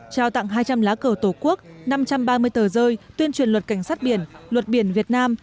trao tặng hai trăm linh lá cờ tổ quốc năm trăm ba mươi tờ rơi tuyên truyền luật cảnh sát biển luật biển việt nam